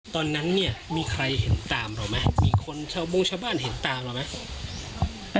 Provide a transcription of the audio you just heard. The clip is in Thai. ตอนนั้นเนี่ยมีใครเห็นตามเราไหมมีคนชาวมงชาวบ้านเห็นตามเราไหม